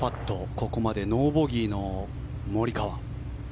ここまでノーボギーのモリカワ。